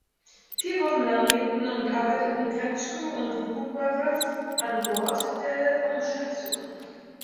Vier Wochen lang lebten und arbeiteten Gretschko und Gubarew an Bord der Raumstation.